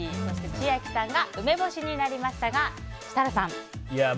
千秋さんが梅干しになりましたが設楽さん。